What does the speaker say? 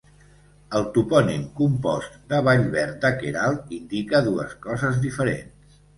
El topònim compost de Vallverd de Queralt indica dues coses diferents.